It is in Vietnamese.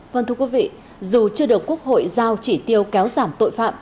vâng thưa quý vị dù chưa được quốc hội giao chỉ tiêu kéo giảm tội phạm